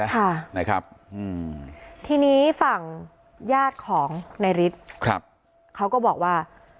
ค่ะนะครับอืมทีนี้ฝั่งญาติของนายฤทธิ์ครับเขาก็บอกว่า